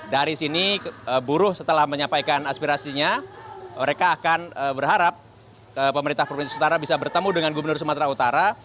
dari sini buruh setelah menyampaikan aspirasinya mereka akan berharap pemerintah provinsi sumatera bisa bertemu dengan gubernur sumatera utara